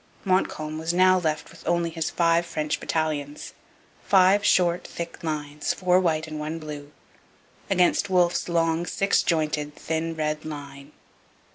Montcalm was now left with only his five French battalions five short, thick lines, four white and one blue, against Wolfe's long, six jointed, thin red line.